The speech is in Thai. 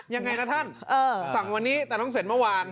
ยังไงล่ะท่านสั่งวันนี้แต่ต้องเสร็จเมื่อวาน